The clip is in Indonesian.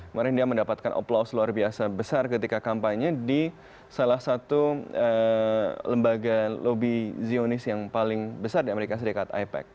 kemarin dia mendapatkan aplaus luar biasa besar ketika kampanye di salah satu lembaga lobby zionis yang paling besar di amerika serikat ipec